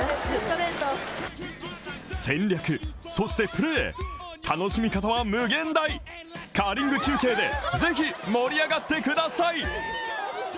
そしてプレー、楽しみ方は無限大カーリング中継でぜひ盛り上がってください。